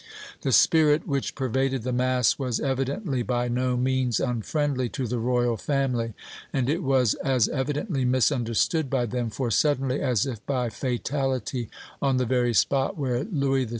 The spirit which pervaded the mass was, evidently, by no means unfriendly to the Royal family, and it was as evidently misunderstood by them, for, suddenly, as if by fatality, on the very spot where Louis XVI.